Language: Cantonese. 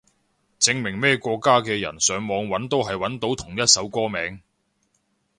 證明咩國家嘅人上網搵都係搵到同一首歌名